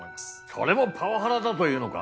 それもパワハラだというのか？